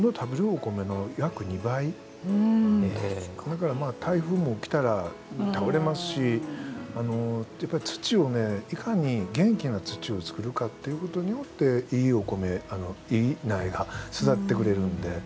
だから台風も来たら倒れますし土をいかに元気な土を作るかっていうことによっていいお米いい苗が育ってくれるんで。